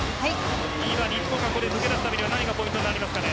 日本が抜け出すためには何がポイントになりますか。